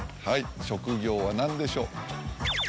職業は何でしょう？。